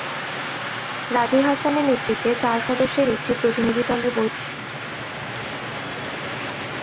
রাজী হাসানের নেতৃত্বে চার সদস্যের একটি প্রতিনিধিদলের বৈঠকে অংশ নেওয়ার কথা ছিল।